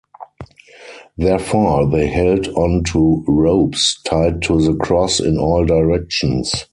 Therefore, they held on to ropes tied to the Cross in all directions.